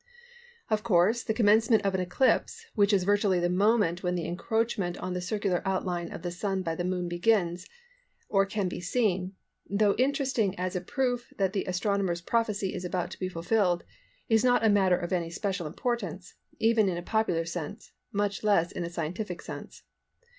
Of course the commencement of an eclipse, which is virtually the moment when the encroachment on the circular outline of the Sun by the Moon begins, or can be seen, though interesting as a proof that the astronomer's prophecy is about to be fulfilled, is not a matter of any special importance, even in a popular sense, much less in a scientific sense.